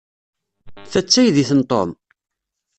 Ta d taydit n Tom?